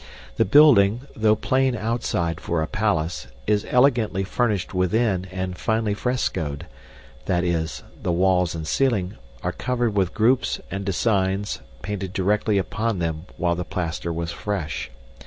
The building, though plain outside for a palace, is elegantly furnished within and finely frescoed that is, the walls and ceiling are covered with groups and designs painted directly upon them while the plaster was fresh.